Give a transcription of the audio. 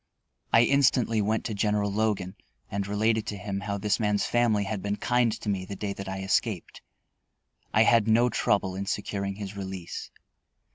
I instantly went to General Logan, and related to him how this man's family had been kind to me the day that I escaped. I had no trouble in securing his release.